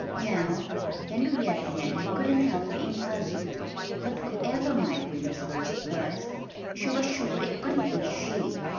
Now, Henrietta Hen couldn't help being puzzled. But whoever might win the first prize, she was sure it couldn't be she.